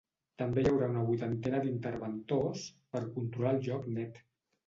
També hi haurà una vuitantena d’interventors ‘per controlar el joc net’.